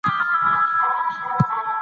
فرهنګ د قوي ژبي په مټ پیاوړی پاتې کېږي.